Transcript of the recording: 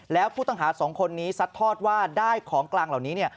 แล้วผู้ต้องหาสองคนนี้ซัดทอดว่าได้ของกลางเหล่านี้เนี่ย